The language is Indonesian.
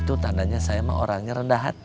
itu tandanya saya emang orangnya rendah hati